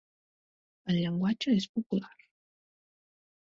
El llenguatge és popular.